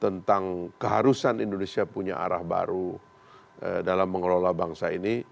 tentang keharusan indonesia punya arah baru dalam mengelola bangsa ini